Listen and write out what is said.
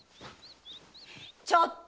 ちょっと！